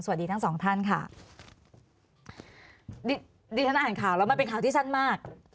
สวัสดีทั้งสองท่านค่ะดิฉันอ่านข่าวแล้วมันเป็นข่าวที่สั้นมาก